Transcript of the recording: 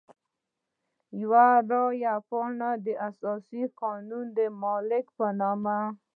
یوه رای پاڼه د اساسي قانون د مالک په نوم.